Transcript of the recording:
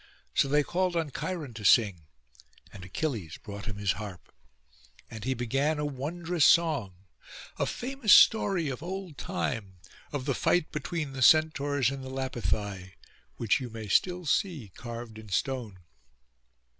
So they called on Cheiron to sing, and Achilles brought him his harp; and he began a wondrous song; a famous story of old time, of the fight between the Centaurs and the Lapithai, which you may still see carved in stone.